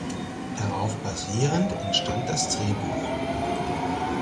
Darauf basierend entstand das Drehbuch.